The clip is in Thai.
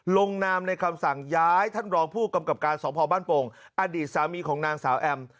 ลงนามในคำสั่งย้ายท่านรองผู้กำกับการสพบ้านโป่งอดีตสามีของนางสาวแอม